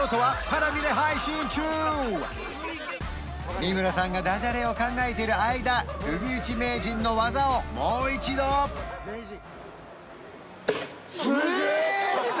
三村さんがダジャレを考えている間釘打ち名人の技をもう一度すげえな！